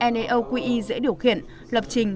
naoqe dễ điều khiển lập trình